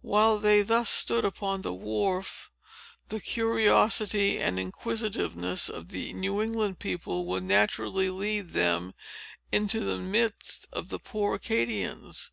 While they thus stood upon the wharf, the curiosity and inquisitiveness of the New England people would naturally lead them into the midst of the poor Acadians.